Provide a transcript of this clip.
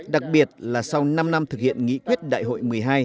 đặc biệt là sau năm năm thực hiện nghị quyết đại hội một mươi hai